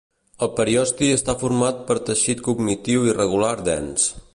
El periosti està format per teixit connectiu irregular dens.